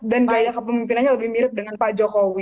dan gaya kepemimpinannya lebih mirip dengan pak jokowi